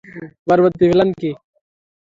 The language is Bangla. পরবর্তী প্লান কী?